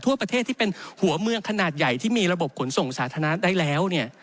ทั่วประเทศที่เป็นหัวเมืองขนาดใหญ่ที่มีระบบขนส่งสาธารณะได้แล้วเนี่ย